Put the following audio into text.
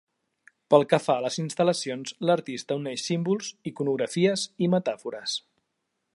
Pel que fa a les instal·lacions, l'artista uneix símbols, iconografies i metàfores.